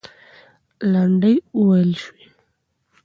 لنډۍ وویل سوې.